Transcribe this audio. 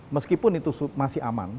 meskipun itu masih aman